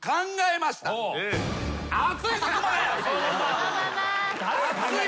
そのまんま。